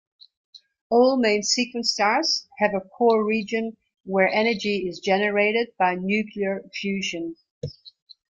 All main-sequence stars have a core region where energy is generated by nuclear fusion.